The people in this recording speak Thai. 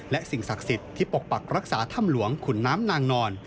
และสิ่งศักดิ์สิทธิ์ที่ปกปักรักษาถ้ำหลวงขุนน้ำนางนอน